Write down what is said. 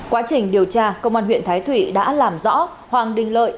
quá trình điều tra công an huyện thái thụy đã làm rõ hoàng đình lợi